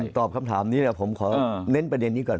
ก่อนตอบคำถามนี้เนี่ยผมขอเน้นประเด็นนี้ก่อน